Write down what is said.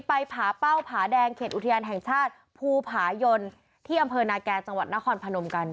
ผาเป้าผาแดงเขตอุทยานแห่งชาติภูผายนที่อำเภอนาแก่จังหวัดนครพนมกัน